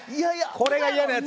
これが嫌なやつ。